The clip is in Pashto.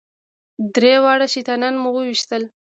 درې واړه شیطانان مو وويشتل.